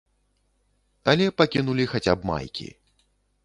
Але пакінулі хаця б майкі.